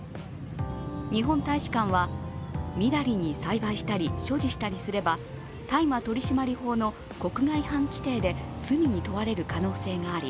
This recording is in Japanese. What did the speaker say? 日本大使館は、みだりに栽培したり所持したりすれば大麻取締法の国外犯規定で罪に問われる可能性がアリ、